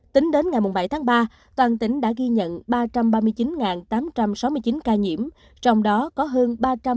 tính đến ngày bảy tháng ba toàn tỉnh đã ghi nhận ba trăm ba mươi chín tám trăm sáu mươi chín ca nhiễm trong đó có hơn ba trăm ba mươi